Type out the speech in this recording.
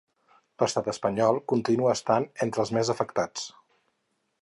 Lestat espanyol continua estant entre els més afectats.